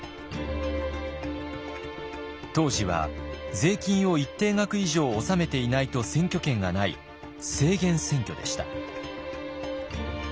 当時は税金を一定額以上納めていないと選挙権がない制限選挙でした。